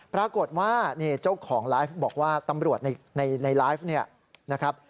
ปรากฏว่าเจ้าของไลฟ์บอกว่าตำรวจในไลฟ์